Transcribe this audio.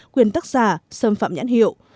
quyền tác giả xâm phạm nhãn hiệu